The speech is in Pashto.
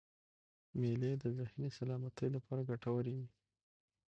مېلې د ذهني سلامتۍ له پاره ګټوري يي.